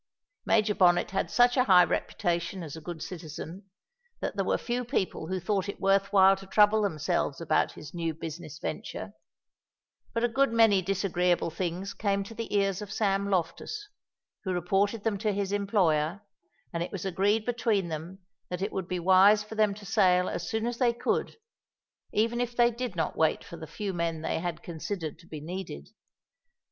Major Bonnet had such a high reputation as a good citizen, that there were few people who thought it worth while to trouble themselves about his new business venture, but a good many disagreeable things came to the ears of Sam Loftus, who reported them to his employer, and it was agreed between them that it would be wise for them to sail as soon as they could, even if they did not wait for the few men they had considered to be needed.